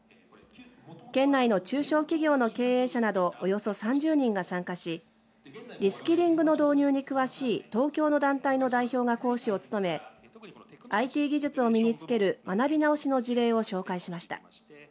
県内の中小企業の経営者などおよそ３０人が参加しリスキリングの導入に詳しい東京の団体の代表が講師を務めＩＴ技術を身につける学び直しの事例を紹介しました。